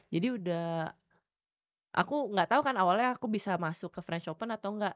jadi udah aku gak tau kan awalnya aku bisa masuk ke french open atau enggak